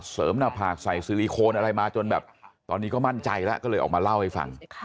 หน้าผากใส่ซิลิโคนอะไรมาจนแบบตอนนี้ก็มั่นใจแล้วก็เลยออกมาเล่าให้ฟัง